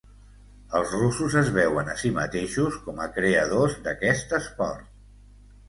Els russos es veuen a si mateixos com a creadors d'aquest esport.